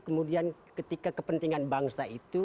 kemudian ketika kepentingan bangsa itu